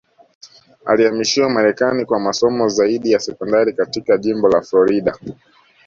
Alihamishiwa Marekani kwa masomo zaidi ya sekondari katika jimbo la Florida